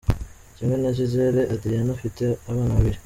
Kimwe na Gisele, Adriana afite abana babiri.